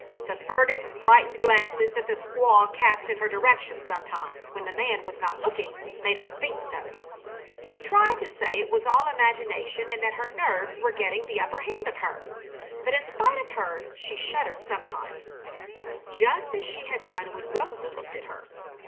The furtive, frightened glances that the squaw cast in her direction sometimes, when the man was not looking, made her think so. She tried to say it was all imagination, and that her nerves were getting the upper hand of her, but in spite of her she shuddered sometimes, just as she had done when Rosa looked at her.